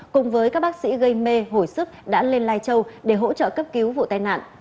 cùng với các bác sĩ gây mê hồi sức đã lên lai châu để hỗ trợ cấp cứu vụ tai nạn